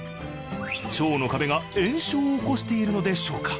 腸の壁が炎症を起こしているのでしょうか？